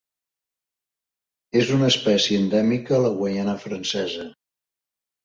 És una espècie endèmica a la Guaiana Francesa.